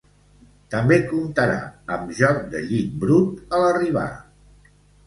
També comptarà amb joc de llit brut a l'arribar.